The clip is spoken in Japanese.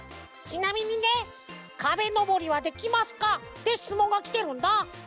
ちなみにね「かべのぼりはできますか？」ってしつもんがきてるんだ！